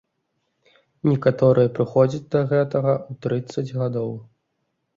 Некаторыя прыходзяць да гэтага ў трыццаць гадоў.